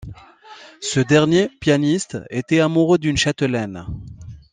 Ce dernier, pianiste, était amoureux d'une châtelaine.